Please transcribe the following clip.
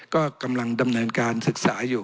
ก็กำลังดำเนินการศึกษาอยู่